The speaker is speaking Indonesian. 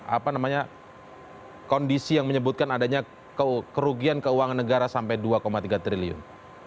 apa namanya kondisi yang menyebutkan adanya kerugian keuangan negara sampai dua tiga triliun